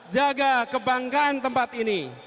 jaga kebanggaan tempat ini